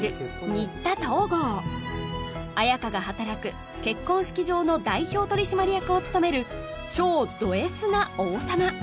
新田東郷綾華が働く結婚式場の代表取締役を務める超ドＳな王様